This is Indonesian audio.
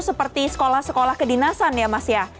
seperti sekolah sekolah kedinasan ya mas ya